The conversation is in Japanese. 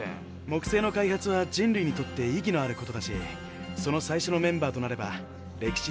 木星の開発は人類にとって意義のあることだしその最初のメンバーとなれば歴史に名も残るしね。